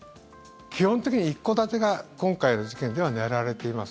基本的に一戸建てが今回の事件では狙われています。